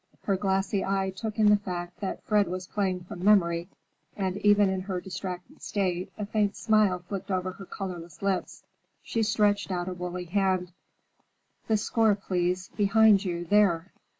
Her glassy eye took in the fact that Fred was playing from memory, and even in her distracted state, a faint smile flickered over her colorless lips. She stretched out a woolly hand, "The score, please. Behind you, there."